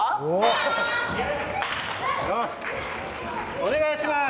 お願いします！